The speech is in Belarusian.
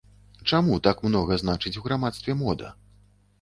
Чаму так многа значыць у грамадстве мода?